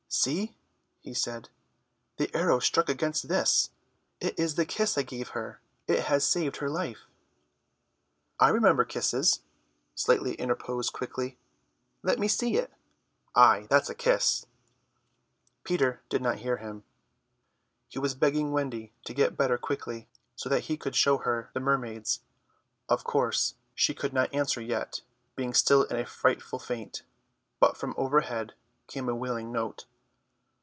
"See," he said, "the arrow struck against this. It is the kiss I gave her. It has saved her life." "I remember kisses," Slightly interposed quickly, "let me see it. Ay, that's a kiss." Peter did not hear him. He was begging Wendy to get better quickly, so that he could show her the mermaids. Of course she could not answer yet, being still in a frightful faint; but from overhead came a wailing note.